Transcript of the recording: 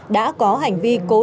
đã có hành vi cố gắng